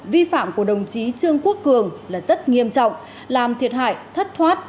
vi phạm của đồng chí trương quốc cường là rất nghiêm trọng làm thiệt hại thất thoát